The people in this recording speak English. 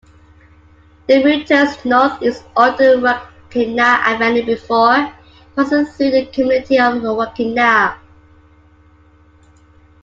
The route turns northeast onto Waukena Avenue before passing through the community of Waukena.